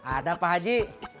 adanya pak aji